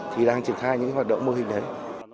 thì đang triển khai những hoạt động mô hình đấy